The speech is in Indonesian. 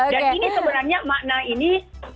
jadi ini sebenarnya makna ini